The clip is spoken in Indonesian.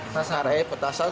saya sarai petasan